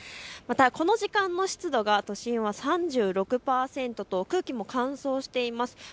この時間の湿度が都心は３６％と空気も乾燥しています。